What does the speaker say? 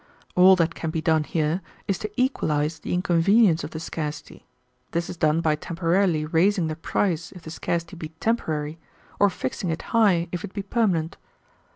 All that can be done here is to equalize the inconvenience of the scarcity. This is done by temporarily raising the price if the scarcity be temporary, or fixing it high if it be permanent.